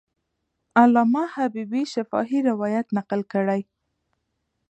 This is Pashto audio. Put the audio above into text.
علامه حبیبي شفاهي روایت نقل کړی.